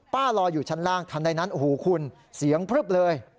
รออยู่ชั้นล่างทันใดนั้นโอ้โหคุณเสียงพลึบเลย